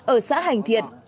ở xã hành thiện